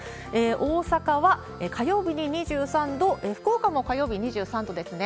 大阪は火曜日に２３度、福岡も火曜日、２３度ですね。